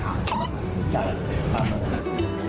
สำหรับผู้จัดเสร็จประมาณนั้น